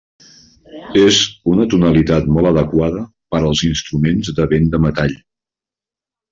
És una tonalitat molt adequada per als instruments de vent de metall.